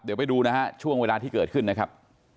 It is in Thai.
เดี๋ยวไปดูนะฮะช่วงเวลาที่เกิดขึ้นนะครับ